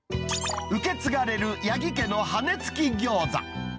受け継がれる八木家の羽根付き餃子。